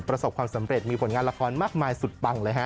ประสบความสำเร็จมีผลงานละครมากมายสุดปังเลยฮะ